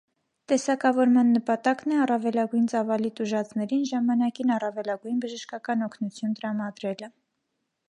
Տեսակավորման նպատակն է առավելագույն ծավալի տուժածներին ժամանակին առավելագույն բժշկական օգնություն տրամադրելը։